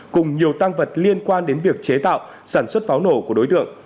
cùng nhiều tăng vật liên quan đến việc chế tạo sản xuất pháo nổ của đối tượng